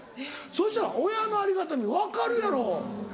そしたら親のありがたみ分かるやろ？